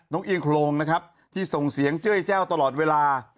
เอียงโครงนะครับที่ส่งเสียงเจ้ยแจ้วตลอดเวลา